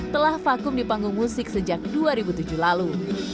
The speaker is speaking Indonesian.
telah vakum di panggung musik sejak dua ribu tujuh lalu